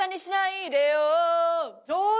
上手！